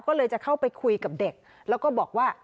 ก็เลยจะเข้าไปคุยกับเด็กแล้วก็บอกว่า